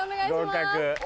合格！